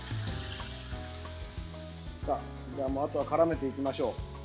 あとはからめていきましょう。